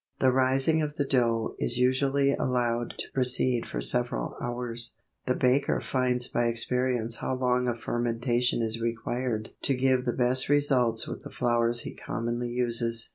The rising of the dough is usually allowed to proceed for several hours. The baker finds by experience how long a fermentation is required to give the best results with the flours he commonly uses.